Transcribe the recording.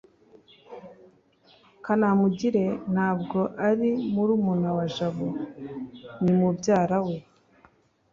kanamugire ntabwo ari murumuna wa jabo. ni mubyara we